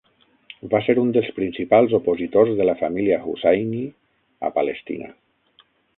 Va ser un dels principals opositors de la família Husayni a Palestina.